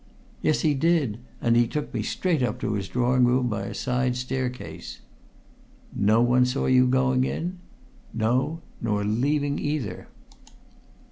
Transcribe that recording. "Yes, he did, and he took me straight up to his drawing room by a side staircase." "No one saw you going in?" "No; nor leaving, either!"